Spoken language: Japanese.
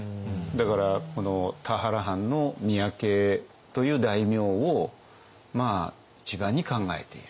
だからこの田原藩の三宅という大名を一番に考えている。